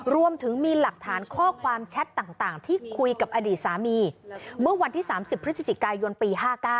รวมถึงมีหลักฐานข้อความแชทต่างที่คุยกับอดีตสามีเมื่อวันที่๓๐พฤศจิกายนปี๕๙